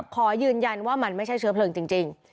ขอยืนยันว่ามันไม่ใช่เชื้อเพลิงจริง